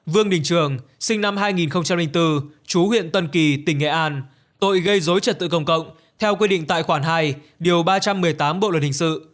vương đình trường sinh năm hai nghìn bốn chú huyện tân kỳ tỉnh nghệ an tội gây dối trật tự công cộng theo quy định tại khoản hai điều ba trăm một mươi tám bộ luật hình sự